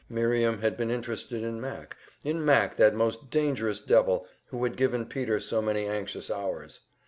Miriam had been interested in Mac in Mac, that most dangerous devil, who had given Peter so many anxious hours!